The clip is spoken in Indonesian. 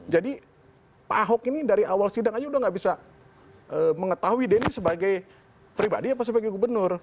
jadi pak ahok ini dari awal sidang aja udah nggak bisa mengetahui dia ini sebagai pribadi apa sebagai gubernur